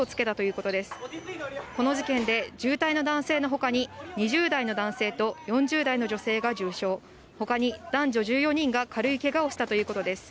この事件で重体の男性のほかに、２０代の男性と４０代の女性が重傷、ほかに男女１４人が軽いけがをしたということです。